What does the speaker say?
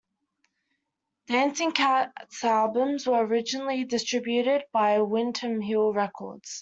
Dancing Cat's albums were originally distributed by Windham Hill Records.